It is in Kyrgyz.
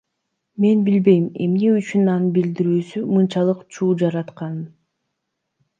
Мен билбейм эмне үчүн анын билдирүүсү мынчалык чуу жаратканын.